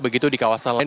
begitu di kawasan lain